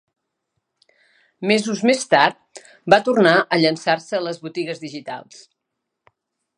Mesos més tard, va tornar a llançar-se a les botigues digitals.